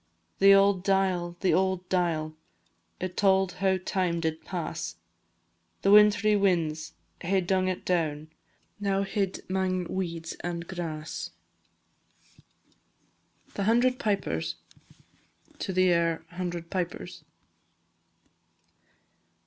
The auld dial, the auld dial, It tauld how time did pass; The wintry winds hae dung it down, Now hid 'mang weeds and grass. THE HUNDRED PIPERS. AIR _"Hundred Pipers."